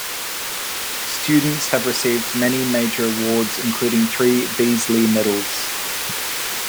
Students have received many major awards including three Beazley Medals.